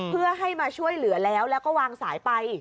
เพื่อให้มาช่วยเหลือแล้วแล้วก็วางสายไป